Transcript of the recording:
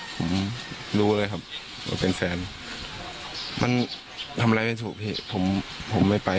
ผมรู้เลยครับว่าเป็นแฟนมันทำอะไรไม่ถูกพี่ผมผมไม่ไป